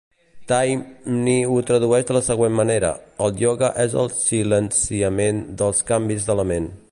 Taimni ho tradueix de la següent manera: "El ioga és el silenciament dels canvis de la ment".